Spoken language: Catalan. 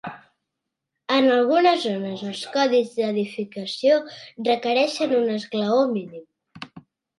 En algunes zones, els codis d"edificació requereixen un esglaó mínim.